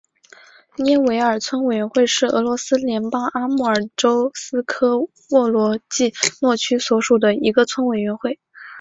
涅韦尔村委员会是俄罗斯联邦阿穆尔州斯科沃罗季诺区所属的一个村委员会。